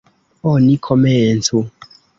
Oni komencu!